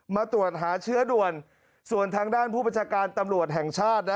มาตรวจหาเชื้อด่วนส่วนทางด้านผู้ประชาการตำรวจแห่งชาตินะ